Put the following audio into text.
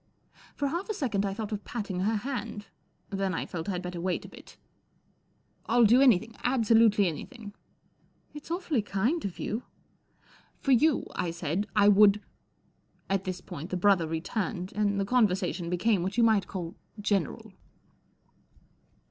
For half a second I thought of patting her hand, then I felt I'd better wait a bit. ' I'll do anything, absolutely anything." " It's awfully kind of you." " For you," I said, " I would " At this point the brother returned, and the conversation became what you might call general.